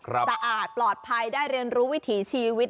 สะอาดปลอดภัยได้เรียนรู้วิถีชีวิต